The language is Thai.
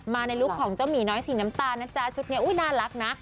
มาในลุคของเจ้าหมีน้อยสีน้ำตาลนะจ๊ะชุดนี้น่ารักนะ